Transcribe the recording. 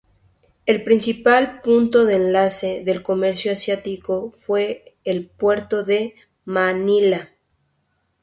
El principal punto de enlace en el comercio asiático fue el puerto de Manila.